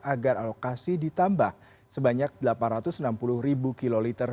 agar alokasi ditambah sebanyak delapan ratus enam puluh ribu kiloliter